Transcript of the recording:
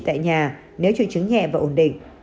tại nhà nếu trường chứng nhẹ và ổn định